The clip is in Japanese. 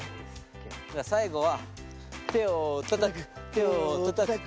最後は手をたたく手をたたく。